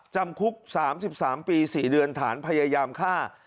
จำคุก๓๓ปี๔เดือนฐานพยายามฆ่า